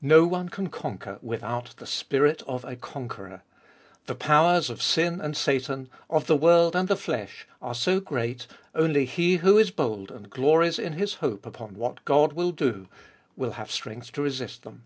No one can conquer without the spirit of a conqueror. The powers of sin and Satan, of the world and the flesh, are so great, only he who is bold and glories in his hope upon what God will do will iboliest ot ail us have strength to resist them.